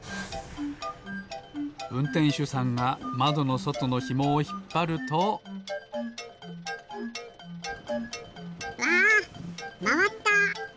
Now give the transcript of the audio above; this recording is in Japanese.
うんてんしゅさんがまどのそとのひもをひっぱると。わまわった！